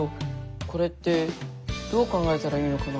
これってどう考えたらいいのかな？